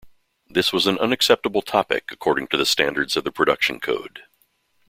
This was an unacceptable topic according to the standards of the Production Code.